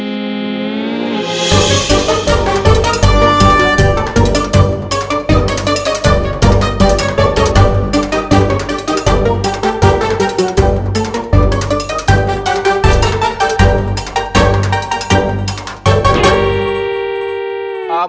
tidak ada yang mau ngasih